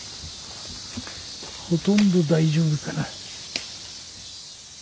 ほとんど大丈夫かな。